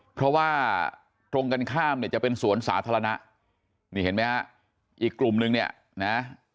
เพราะว่าตรงกันข้ามเนี่ยจะเป็นสวนสาธารณะนี่เห็นไหมฮะอีกกลุ่มนึงเนี่ยนะ